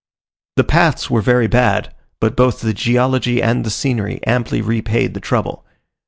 The paths were very bad, but both the geology and scenery amply repaid the trouble.